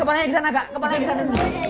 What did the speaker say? kepalanya ke sana dulu